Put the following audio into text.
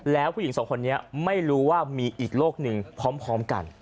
แล้วผู้หญิงสองคนนี้ไม่รู้ว่ามีอีกโลกหนึ่งพร้อมกัน